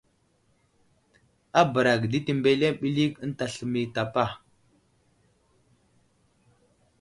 A bəra ge di təmbəliŋ ɓəlik ənta sləmay i tapa.